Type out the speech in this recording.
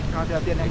kehatian yang gimana